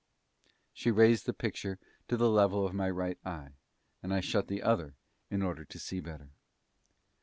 She raised the picture to the level of my right eye, and I shut the other in order to see better.